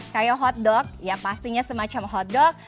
kayak hotdog ya pastinya semacam hotdog